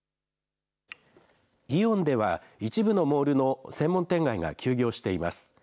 イオンでは一部のモールの専門店街が休業しています。